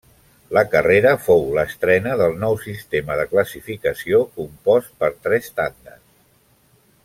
La carrera fou l'estrena del nou sistema de classificació compost per tres tandes.